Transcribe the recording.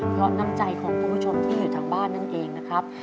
เพราะน้ำใจของคุณผู้ชมที่อยู่ทางบ้านนั่นเองนะครับ